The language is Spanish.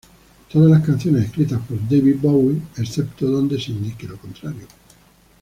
Todas las canciones escritas por David Bowie excepto donde se indique.